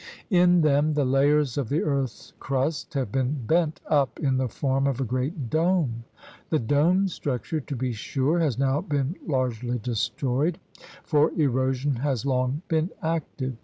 In them the layers of the earth's crust have been bent up in the form of a great dome. The dome struc ture, to be sure, has now been largely destroyed, for erosion has long been active.